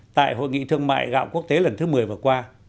tại hội nghị thương mại gạo quốc tế lần thứ một mươi vừa qua